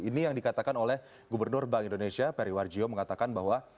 ini yang dikatakan oleh gubernur bank indonesia periwar jio mengatakan bahwa